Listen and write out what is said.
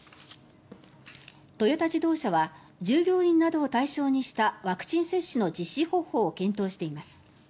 トヨタ自動車は従業員などを対象にしたワクチン接種の実施方法を検討しています。